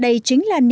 đây chính là niềm vui